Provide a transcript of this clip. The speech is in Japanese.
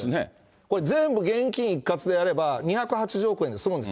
これ全部現金一括でやれば、２８０億円で済むんです。